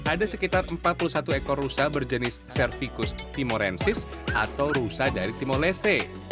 ada sekitar empat puluh satu ekor rusa berjenis servicus timorensis atau rusa dari timor leste